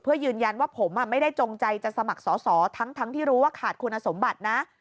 เพื่อยืนยันว่าผมไม่ได้จงใจจะสมัครสอสอทั้งที่รู้ว่าขาดคุณสมบัตินะ